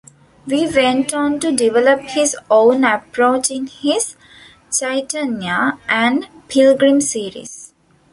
He went on to develop his own approach in his "Chaitanya" and "Pilgrim" series.